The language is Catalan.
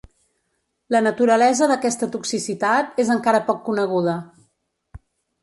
La naturalesa d'aquesta toxicitat és encara poc coneguda.